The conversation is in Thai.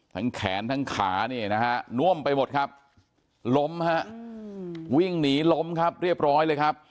แขนทั้งขาเนี่ยนะฮะน่วมไปหมดครับล้มฮะวิ่งหนีล้มครับเรียบร้อยเลยครับ